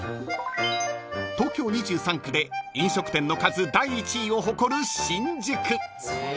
［東京２３区で飲食店の数第１位を誇る新宿］